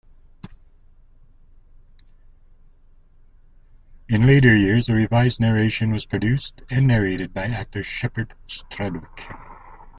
In later years, a revised narration was produced and narrated by actor Shepperd Strudwick.